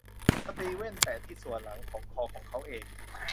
สตีเวนแตะที่ส่วนหลังของคอของเขาเอง